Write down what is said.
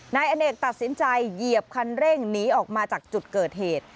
นายอเนกตัดสินใจเหยียบคันเร่งหนีออกมาจากจุดเกิดเหตุ